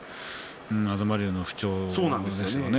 東龍の不調ですね。